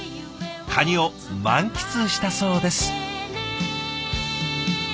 カニを満喫したそうです。